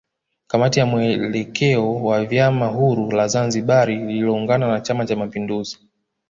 Kamati ya mwelekeo wa vyama huru la Zanzibari lililoungana na chama cha mapinduzi